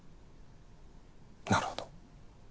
なるほど。